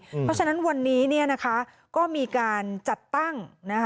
เพราะฉะนั้นวันนี้ก็มีการจัดตั้ง